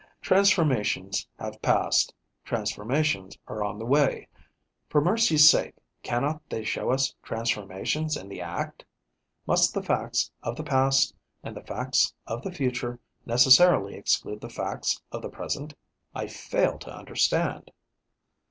Transformations have passed, transformations are on the way. For mercy's sake, cannot they show us transformations in the act? Must the facts of the past and the facts of the future necessarily exclude the facts of the present? I fail to understand.